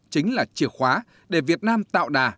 chính là chìa khóa để việt nam tạo đà